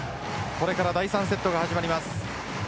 これから第３セットが始まります。